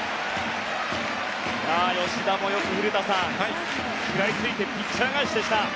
吉田もよく食らいついてピッチャー返しでした。